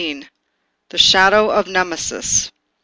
The Shadow of Nemesis.